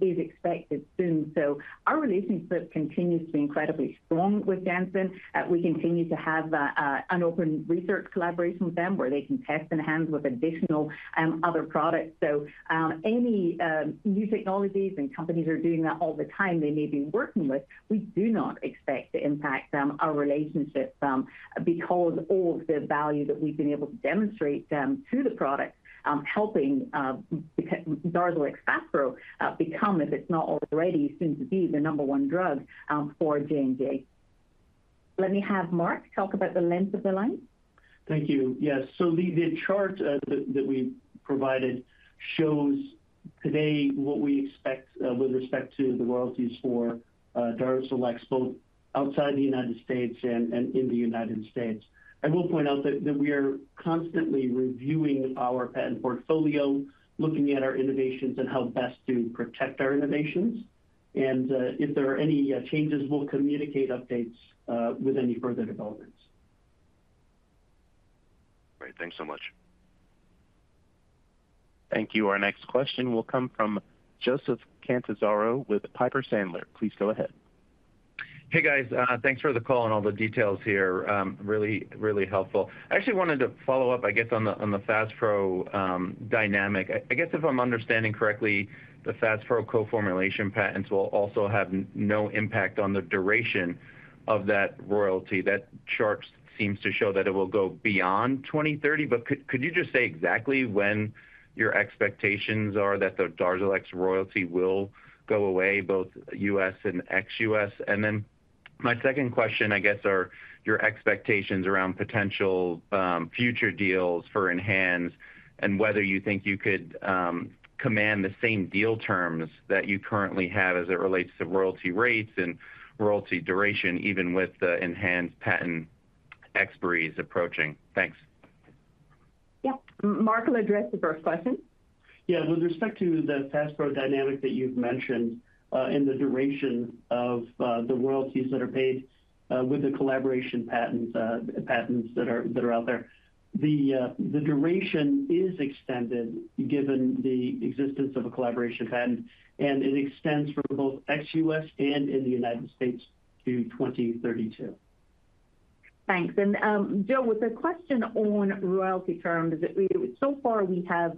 is expected soon. So our relationship continues to be incredibly strong with Janssen. We continue to have an open research collaboration with them, where they can test ENHANZE with additional other products. So any new technologies and companies are doing that all the time they may be working with, we do not expect to impact our relationship, because all of the value that we've been able to demonstrate to the product helping, because DARZALEX FASPRO become, if it's not already, soon to be the number one drug for J&J. Let me have Mark talk about the length of the line. Thank you. Yes, so the chart that we provided shows today what we expect with respect to the royalties for DARZALEX, both outside the United States and in the United States. I will point out that we are constantly reviewing our patent portfolio, looking at our innovations and how best to protect our innovations.... and if there are any changes, we'll communicate updates with any further developments. Great. Thanks so much. Thank you. Our next question will come from Joseph Catanzaro with Piper Sandler. Please go ahead. Hey, guys. Thanks for the call and all the details here. Really, really helpful. I actually wanted to follow up, I guess, on the, on the FASPRO dynamic. I guess, if I'm understanding correctly, the FASPRO co-formulation patents will also have no impact on the duration of that royalty. That chart seems to show that it will go beyond 2030, but could you just say exactly when your expectations are that the DARZALEX royalty will go away, both U.S. and ex-U.S.? And then my second question, I guess, are your expectations around potential future deals for ENHANZE, and whether you think you could command the same deal terms that you currently have as it relates to royalty rates and royalty duration, even with the ENHANZE patent expiries approaching? Thanks. Yeah. Mark will address the first question. Yeah. With respect to the FasPro dynamic that you've mentioned, and the duration of the royalties that are paid, with the collaboration patents, patents that are out there, the duration is extended given the existence of a collaboration patent, and it extends for both ex-US and in the United States to 2032. Thanks. And, Joe, with a question on royalty terms, so far we have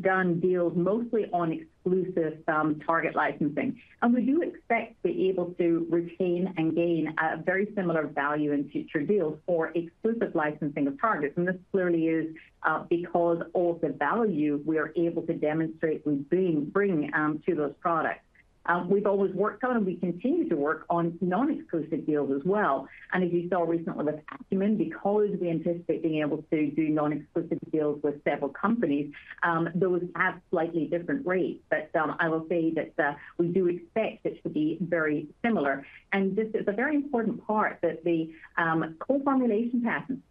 done deals mostly on exclusive target licensing. And we do expect to be able to retain and gain a very similar value in future deals for exclusive licensing of targets. And this clearly is because all the value we are able to demonstrate we bring to those products. We've always worked on, and we continue to work on non-exclusive deals as well. And as you saw recently with Acumen, because we anticipate being able to do non-exclusive deals with several companies, those have slightly different rates. But, I will say that, we do expect it to be very similar. And this is a very important part, that the co-formulation patents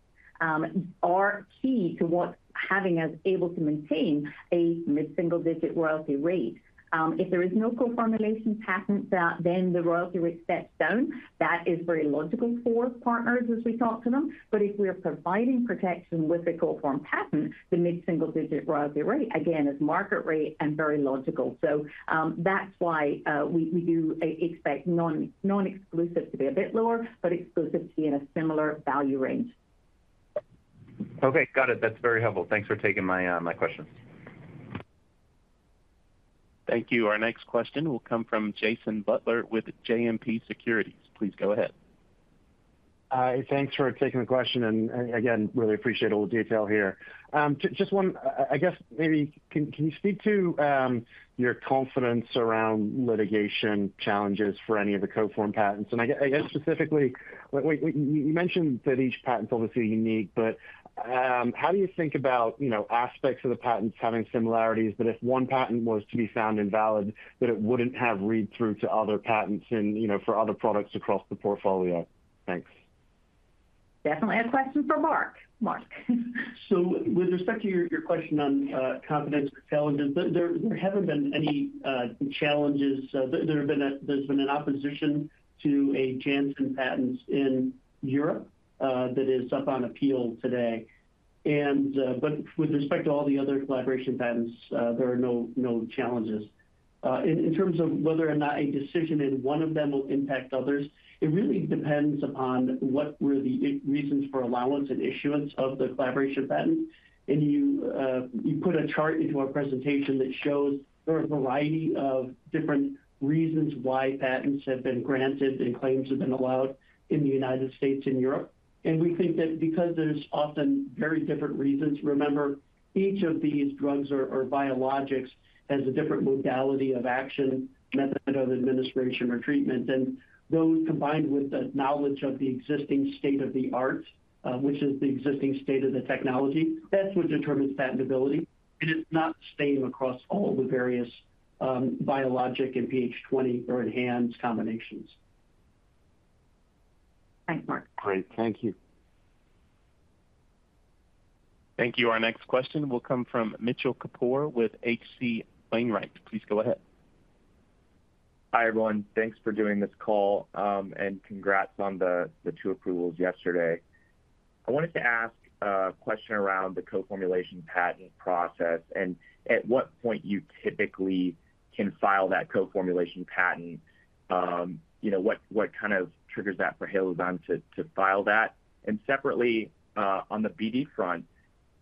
are key to what having us able to maintain a mid-single-digit royalty rate. If there is no co-formulation patent, then the royalty rate steps down. That is very logical for partners as we talk to them. But if we're providing protection with the co-formulation patent, the mid-single-digit royalty rate, again, is market rate and very logical. So, that's why we do expect non-exclusive to be a bit lower, but exclusive to be in a similar value range. Okay, got it. That's very helpful. Thanks for taking my, my questions. Thank you. Our next question will come from Jason Butler with JMP Securities. Please go ahead. Thanks for taking the question, and again, really appreciate all the detail here. Just one—I guess, maybe can you speak to your confidence around litigation challenges for any of the co-form patents? And I guess, specifically, we, you mentioned that each patent's obviously unique, but how do you think about, you know, aspects of the patents having similarities, that if one patent was to be found invalid, that it wouldn't have read through to other patents and, you know, for other products across the portfolio? Thanks. Definitely a question for Mark. Mark. So with respect to your question on confidence challenges, there haven't been any challenges. There has been an opposition to a Janssen patent in Europe that is up on appeal today. But with respect to all the other collaboration patents, there are no challenges. In terms of whether or not a decision in one of them will impact others, it really depends upon what were the reasons for allowance and issuance of the collaboration patent. And you put a chart into our presentation that shows there are a variety of different reasons why patents have been granted and claims have been allowed in the United States and Europe. We think that because there's often very different reasons, remember, each of these drugs or, or biologics has a different modality of action, method of administration or treatment, and those combined with the knowledge of the existing state-of-the-art, which is the existing state of the technology, that's what determines patentability. It is not the same across all the various, biologic and PH20 or ENHANZE combinations. Thanks, Mark. Great. Thank you. Thank you. Our next question will come from Mitchell Kapoor with H.C. Wainwright. Please go ahead. Hi, everyone. Thanks for doing this call, and congrats on the two approvals yesterday. I wanted to ask a question around the co-formulation patent process and at what point you typically can file that co-formulation patent, you know, what kind of triggers that for Halozyme to file that? And separately, on the BD front,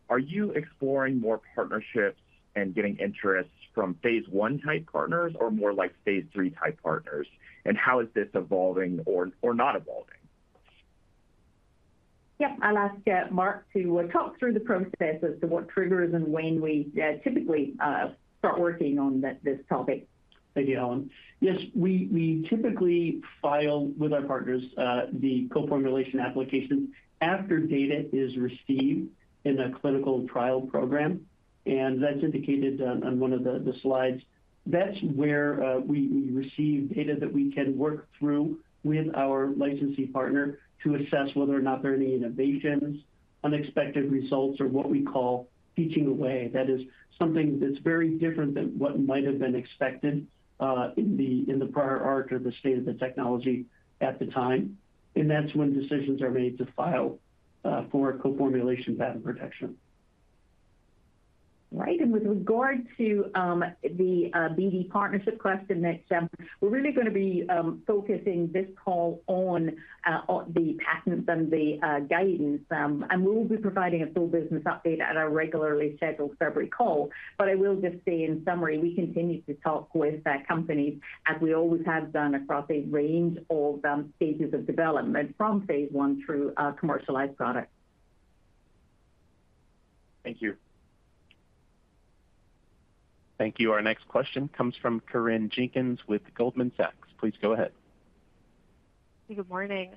are you exploring more partnerships and getting interest from phase I type partners or more like phase III type partners? And how is this evolving or not evolving? Yeah, I'll ask Mark to talk through the process as to what triggers and when we typically start working on this topic. Thank you, Helen. Yes, we typically file with our partners the co-formulation application after data is received in a clinical trial program, and that's indicated on one of the slides. That's where we receive data that we can work through with our licensee partner to assess whether or not there are any innovations, unexpected results, or what we call teaching away. That is something that's very different than what might have been expected in the prior art or the state of the technology at the time, and that's when decisions are made to file for co-formulation patent protection. ... Right, and with regard to the BD partnership question, Nick, we're really going to be focusing this call on the patents and the guidance. We'll be providing a full business update at our regularly scheduled February call. I will just say, in summary, we continue to talk with the companies as we always have done across a range of stages of development, from phase one through commercialized products. Thank you. Thank you. Our next question comes from Corinne Jenkins with Goldman Sachs. Please go ahead. Good morning.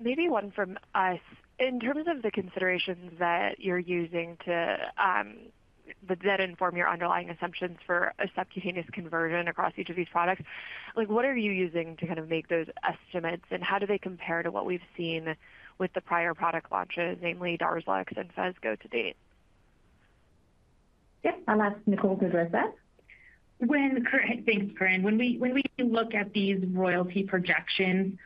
Maybe one from us. In terms of the considerations that you're using that inform your underlying assumptions for a subcutaneous conversion across each of these products, like, what are you using to kind of make those estimates, and how do they compare to what we've seen with the prior product launches, namely Darzalex and PHESGO, to date? Yeah, I'll ask Nicole to address that. Thanks, Corinne. When we look at these royalty projections,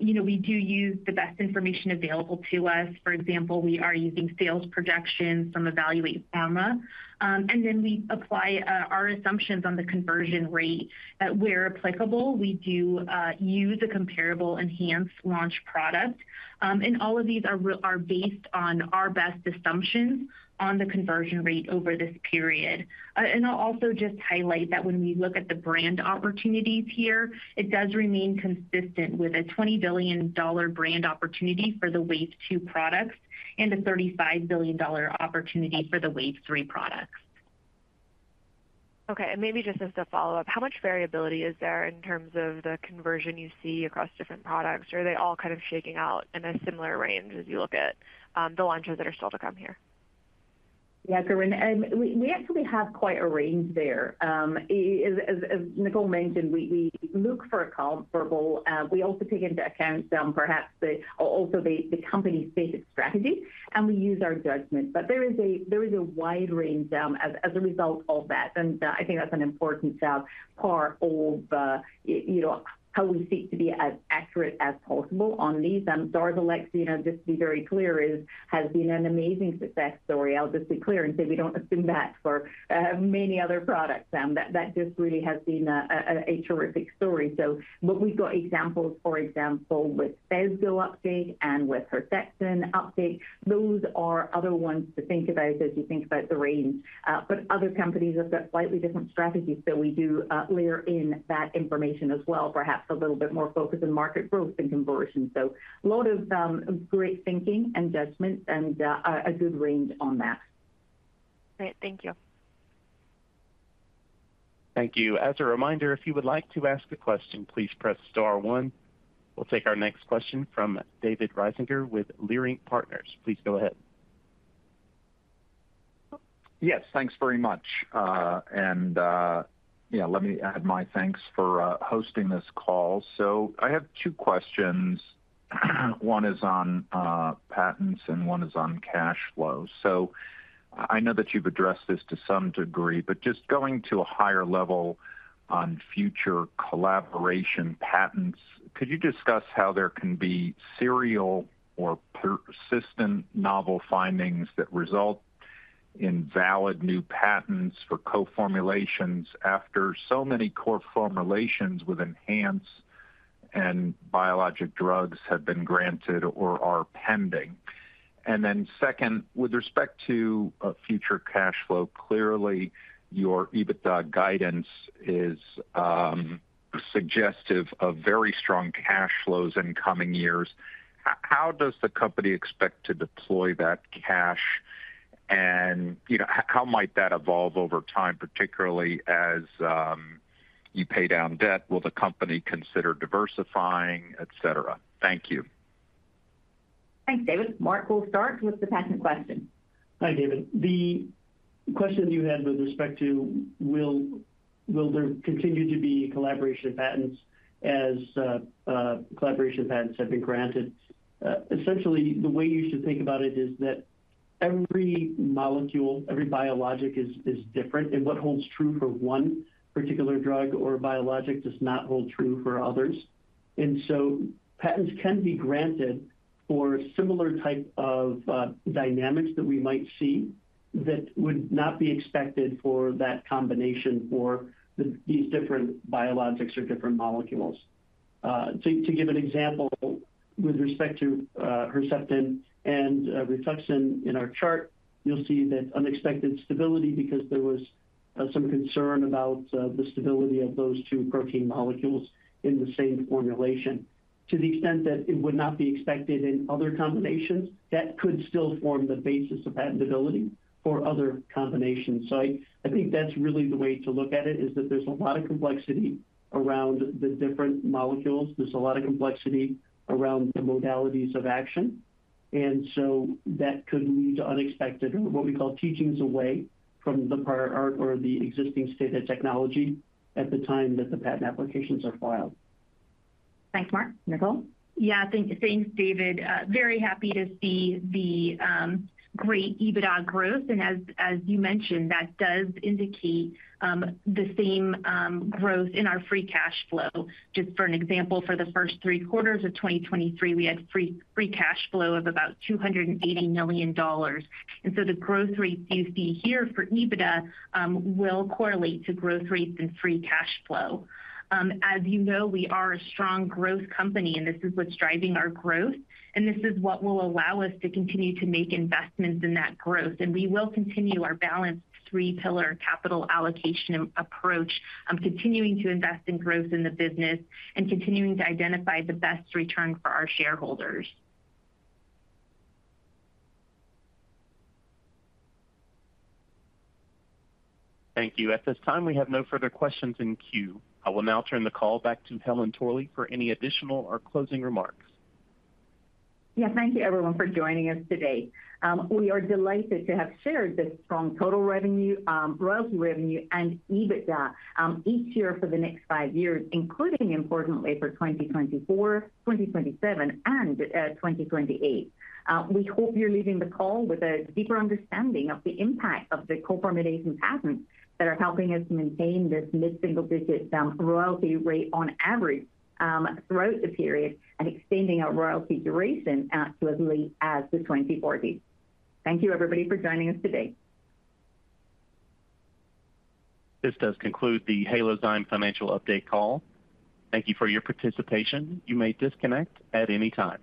you know, we do use the best information available to us. For example, we are using sales projections from Evaluate Pharma, and then we apply our assumptions on the conversion rate. Where applicable, we do use a comparable ENHANZE launch product, and all of these are based on our best assumptions on the conversion rate over this period. And I'll also just highlight that when we look at the brand opportunities here, it does remain consistent with a $20 billion brand opportunity for the wave two products and a $35 billion opportunity for the wave three products. Okay, and maybe just as a follow-up, how much variability is there in terms of the conversion you see across different products? Or are they all kind of shaking out in a similar range as you look at the launches that are still to come here? Yeah, Corinne, we actually have quite a range there. As Nicole mentioned, we look for a comparable, we also take into account perhaps the company's stated strategy, and we use our judgment. But there is a wide range as a result of that, and I think that's an important part of you know how we seek to be as accurate as possible on these. Darzalex, you know, just to be very clear, has been an amazing success story. I'll just be clear and say we don't assume that for many other products that just really has been a terrific story. But we've got examples, for example, with PHESGO update and with Herceptin update. Those are other ones to think about as you think about the range. But other companies have got slightly different strategies, so we do layer in that information as well, perhaps a little bit more focused on market growth than conversion. So a lot of great thinking and judgment and a good range on that. Great. Thank you. Thank you. As a reminder, if you would like to ask a question, please press star one. We'll take our next question from David Risinger with Leerink Partners. Please go ahead. Yes, thanks very much. And, yeah, let me add my thanks for hosting this call. So I have two questions. One is on patents and one is on cash flow. So I know that you've addressed this to some degree, but just going to a higher level on future collaboration patents, could you discuss how there can be serial or persistent novel findings that result in valid new patents for co-formulations after so many core formulations with ENHANZE and biologic drugs have been granted or are pending? And then second, with respect to future cash flow, clearly your EBITDA guidance is suggestive of very strong cash flows in coming years. How does the company expect to deploy that cash? And, you know, how might that evolve over time, particularly as you pay down debt, will the company consider diversifying, et cetera? Thank you. Thanks, David. Mark, we'll start with the patent question. Hi, David. The question you had with respect to will there continue to be collaboration patents as collaboration patents have been granted? Essentially, the way you should think about it is that every molecule, every biologic is different, and what holds true for one particular drug or biologic does not hold true for others. And so patents can be granted for similar type of dynamics that we might see, that would not be expected for that combination for these different biologics or different molecules. To give an example, with respect to Herceptin and Rituxan in our chart, you'll see that unexpected stability because there was some concern about the stability of those two protein molecules in the same formulation. To the extent that it would not be expected in other combinations, that could still form the basis of patentability for other combinations. So I, I think that's really the way to look at it, is that there's a lot of complexity around the different molecules. There's a lot of complexity around the modalities of action, and so that could lead to unexpected, or what we call, teachings away from the prior art or the existing state of technology at the time that the patent applications are filed. Thanks, Mark. Nicole? Yeah, thanks, David. Very happy to see the great EBITDA growth, and as you mentioned, that does indicate the same growth in our free cash flow. Just for an example, for the first three quarters of 2023, we had free cash flow of about $280 million. And so the growth rates you see here for EBITDA will correlate to growth rates and free cash flow. As you know, we are a strong growth company, and this is what's driving our growth, and this is what will allow us to continue to make investments in that growth. We will continue our balanced three-pillar capital allocation approach of continuing to invest in growth in the business and continuing to identify the best return for our shareholders. Thank you. At this time, we have no further questions in queue. I will now turn the call back to Helen Torley for any additional or closing remarks. Yeah, thank you, everyone, for joining us today. We are delighted to have shared this strong total revenue, royalty revenue, and EBITDA, each year for the next 5 years, including importantly for 2024, 2027, and 2028. We hope you're leaving the call with a deeper understanding of the impact of the co-formulation patents that are helping us maintain this mid-single-digit royalty rate on average, throughout the period and extending our royalty duration out to at least as the 2024 date. Thank you, everybody, for joining us today. This does conclude the Halozyme financial update call. Thank you for your participation. You may disconnect at any time.